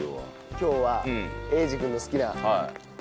今日は英二君の好きな。